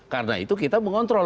karena itu kita mengontrol